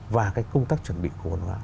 và cái công tác chuẩn bị cổ bản hóa